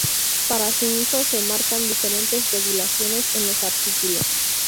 Para su uso se marcan diferentes regulaciones en los artículos.